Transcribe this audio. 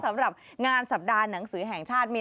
สำหรับงานสัปดาห์หนังสือแห่งชาติ